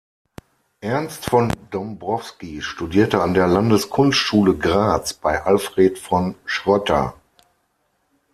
Ernst von Dombrowski studierte an der Landeskunstschule Graz bei Alfred von Schrötter.